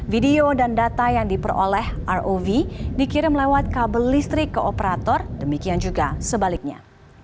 video dan data yang diperoleh rov dikirim lewat kabel listrik ke operator demikian juga sebaliknya